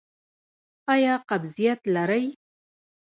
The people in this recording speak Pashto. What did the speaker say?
ایا قبضیت لرئ؟